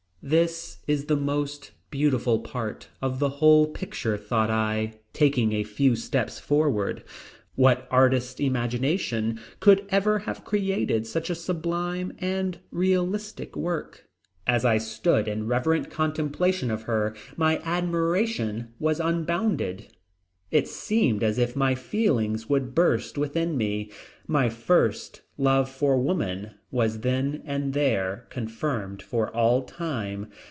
This is the most beautiful part of the whole picture, thought I, taking a few steps forward. What artist's imagination could ever have created such a sublime and realistic work? As I stood in reverent contemplation of her my admiration was unbounded. It seemed as if my feelings would burst within me. My first love for woman was then and there confirmed for all time.